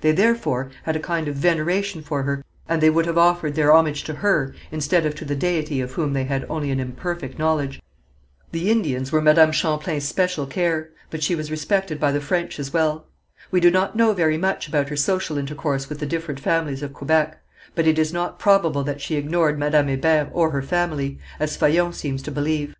They, therefore, had a kind of veneration for her, and they would have offered their homage to her instead of to the Deity of whom they had only an imperfect knowledge. The Indians were Madame Champlain's special care, but she was respected by the French as well. We do not know very much about her social intercourse with the different families of Quebec, but it is not probable that she ignored Madame Hébert or her family, as Faillon seems to believe.